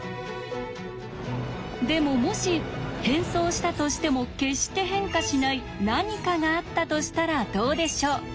でももし変装したとしても決して変化しない何かがあったとしたらどうでしょう。